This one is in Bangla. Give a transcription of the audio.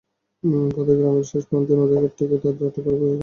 পথে গ্রামের শেষ প্রান্তে নদীর ঘাট থেকে তাদের আটক করে কয়েক যুবক।